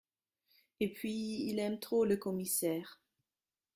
Et puis il aime trop le commissaire.